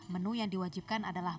menu yang diwajibkan adalah